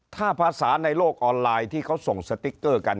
ถ้าภาษาในโลกออนไลน์ที่เขาส่งสติ๊กเกอร์กัน